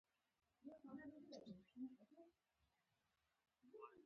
فلم باید له احساساتو سره ژور اړیکه ولري